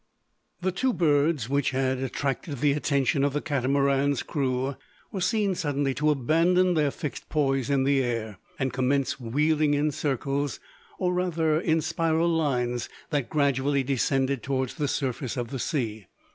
The two birds which had attracted the attention of the Catamaran's crew were seen suddenly to abandon their fixed poise in the air, and commence wheeling in circles, or rather in spiral lines that gradually descended towards the surface of the sea.